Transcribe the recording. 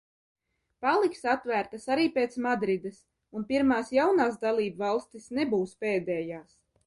Paliks atvērtas arī pēc Madrides, un pirmās jaunās dalībvalstis nebūs pēdējās.